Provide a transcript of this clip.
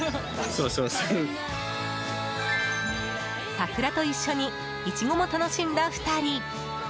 桜と一緒にイチゴも楽しんだ２人。